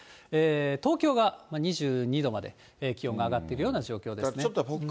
東京が２２度まで気温が上がってるような状況ですね。